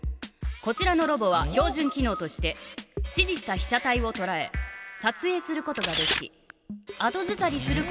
こちらのロボは標じゅん機のうとして指じしたひ写体をとらえさつえいすることができ後ずさりすることもできる。